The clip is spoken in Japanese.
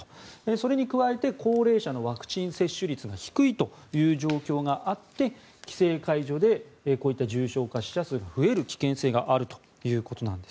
それに加えて高齢者のワクチン接種率が低いという状況があって規制解除でこういった重症化、死者数が増える危険性があるということなんです。